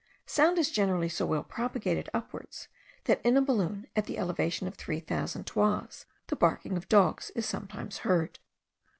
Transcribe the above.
Sound is generally so well propagated upwards, that in a balloon at the elevation of three thousand toises, the barking of dogs is sometimes heard.